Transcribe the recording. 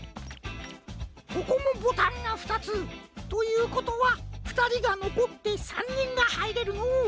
ここもボタンがふたつ。ということはふたりがのこって３にんがはいれるのう。